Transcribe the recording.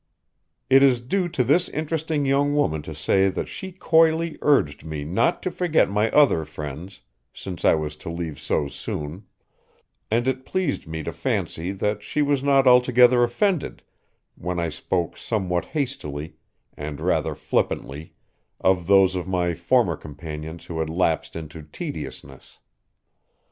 It is due to this interesting young woman to say that she coyly urged me not to forget my other friends, since I was to leave so soon, and it pleased me to fancy that she was not altogether offended when I spoke somewhat hastily and rather flippantly of those of my former companions who had lapsed into tediousness.